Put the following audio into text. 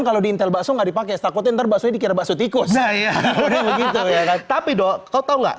kalau intel bakso enggak dipakai sakotin terbakso dikira bakso tikus ya tapi doh kau tahu nggak